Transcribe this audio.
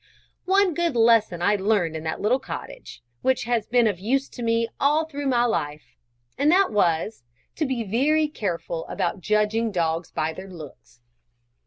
One good lesson I learned in that little cottage, which has been of use to me all my life through; and that was, to be very careful about judging dogs by their looks.